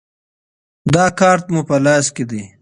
دا کارت مو په لاس کې دی.